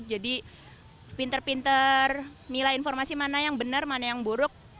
jadi pinter pinter nilai informasi mana yang benar mana yang buruk